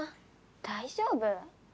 大丈夫？